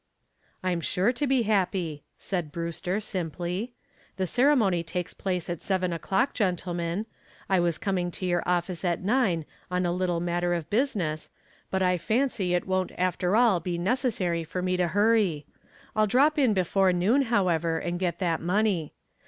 "I'm sure to be happy," said Brewster, simply. "The ceremony takes place at seven o'clock, gentlemen. I was coming to your office at nine on a little matter of business, but I fancy it won't after all be necessary for me to hurry. I'll drop in before noon, however, and get that money.